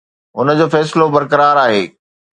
هن جو فيصلو برقرار آهي.